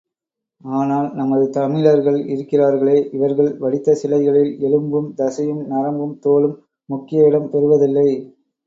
ஆனால், நமது தமிழர்கள் இருக்கிறாரகளே, இவர்கள் வடித்த சிலைகளில் எலும்பும், தசையும், நரம்பும், தோலும் முக்கிய இடம் பெறுவதில்லை.